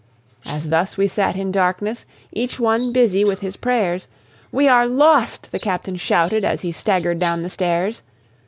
As thus we sat in darkness, Each one busy with his prayers, "We are lost!" the captain shouted As he staggered down the stairs.